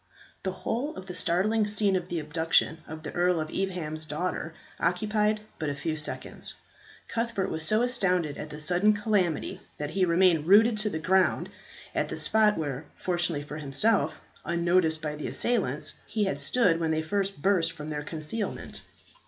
The whole of the startling scene of the abduction of the Earl of Evesham's daughter occupied but a few seconds. Cuthbert was so astounded at the sudden calamity that he remained rooted to the ground at the spot where, fortunately for himself, unnoticed by the assailants, he had stood when they first burst from their concealment.